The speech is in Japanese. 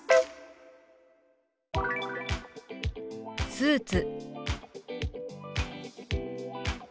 「スーツ」。